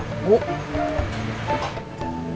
kalau begitu pak jualannya kemana